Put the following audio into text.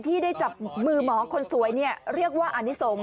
ที่ได้จับมือหมอคนสวยเรียกว่าอนิสงฆ